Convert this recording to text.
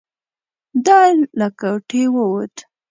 ده له کوټې ووت.